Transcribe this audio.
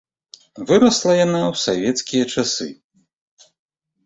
Вырасла яна ў савецкія часы.